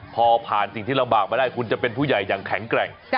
พอผ่านสิ่งที่ลำบากมาได้คุณจะเป็นผู้ใหญ่อย่างแข็งแกร่ง